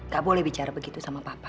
gak boleh bicara begitu sama papa